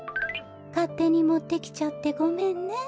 かってにもってきちゃってごめんね。